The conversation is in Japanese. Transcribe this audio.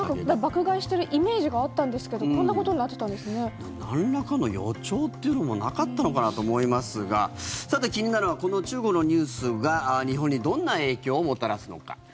爆買いしているイメージがあったんですけどなんらかの予兆というのもなかったのかなと思いますが気になるのはこの中国のニュースが日本にどんな影響をもたらすのか。